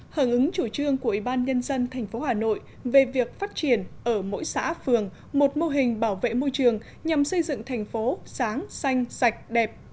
hưởng ứng chủ trương của ủy ban nhân dân tp hà nội về việc phát triển ở mỗi xã phường một mô hình bảo vệ môi trường nhằm xây dựng thành phố sáng xanh sạch đẹp